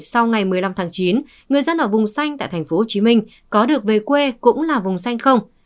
sau ngày một mươi năm tháng chín người dân ở vùng xanh tại tp hcm có được về quê cũng là vùng xanh không